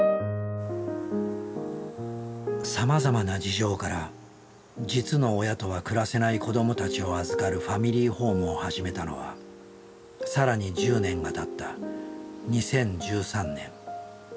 さまざまな事情から実の親とは暮らせない子どもたちを預かるファミリーホームを始めたのは更に１０年がたった２０１３年。